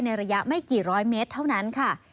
ระยะไม่กี่ร้อยเมตรเท่านั้นค่ะ